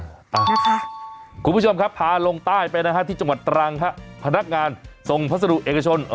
คุณผู้ชมครับพาลงใต้ไปนะฮะที่จังหวัดตรังฮะพนักงานส่งพัสดุเอกชน